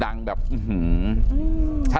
ตอนนี้ก็เปลี่ยนแหละ